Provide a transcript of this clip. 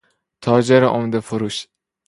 تاجر عمده فروش